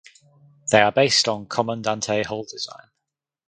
They are based on Commandante hull design.